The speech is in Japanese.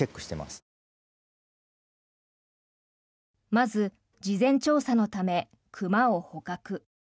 まず、事前調査のため熊を捕獲。